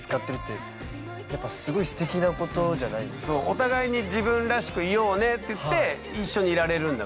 お互いに自分らしくいようねって言って一緒にいられるんだから。